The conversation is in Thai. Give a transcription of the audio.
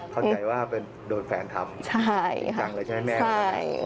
เข้าใจว่าโดนแฟนทำจังเลยใช่ไหมแม่